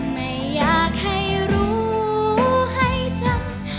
ไม่อยากให้รู้ให้จำ